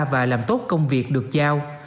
và làm tốt công việc được giao